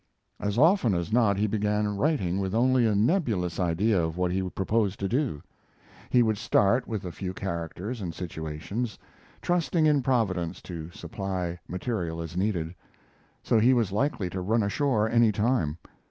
As often as not he began writing with only a nebulous idea of what he proposed to do. He would start with a few characters and situations, trusting in Providence to supply material as needed. So he was likely to run ashore any time.